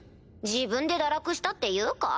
自分で堕落したって言うか？